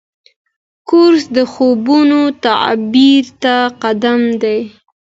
کورس د خوبونو تعبیر ته قدم دی.